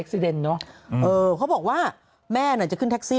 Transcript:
พี่นั้นบอกว่าแม่จะขึ้นแท็กซี่